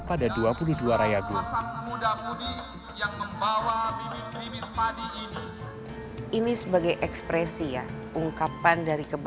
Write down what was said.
pada dua puluh dua rayagun